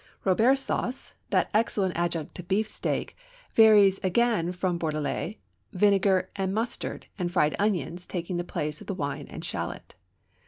Robert sauce, that excellent adjunct to beefsteak, varies again from Bordelaise, vinegar and mustard and fried onions taking the place of the wine and shallot.